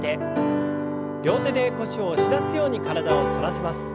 両手で腰を押し出すように体を反らせます。